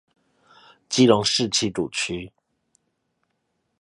基隆市七堵區